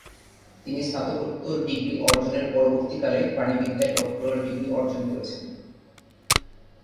তিনি স্নাতকোত্তর ডিগ্রি অর্জনের পরবর্তীকালে প্রাণিবিদ্যায় ডক্টরাল ডিগ্রি অর্জন করেছেন।